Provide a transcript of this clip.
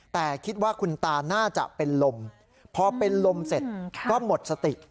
แต่คิดว่าคุณตาน่าจะเป็นลมพอเป็นลมเสร็จก็หมดสติ